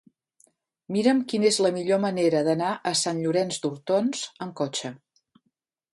Mira'm quina és la millor manera d'anar a Sant Llorenç d'Hortons amb cotxe.